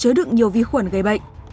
chứa đựng nhiều vi khuẩn gây bệnh